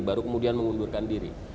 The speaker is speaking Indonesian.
baru kemudian mengundurkan diri